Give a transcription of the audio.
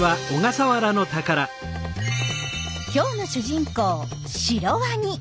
今日の主人公シロワニ。